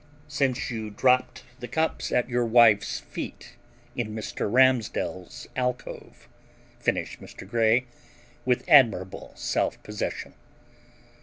"Since you dropped the cups at your wife's feet in Mr. Ramsdell's alcove," finished Mr. Grey with admirable self possession.